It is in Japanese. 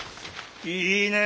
いいねえ！